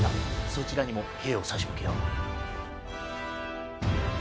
そちらにも兵を差し向けよう。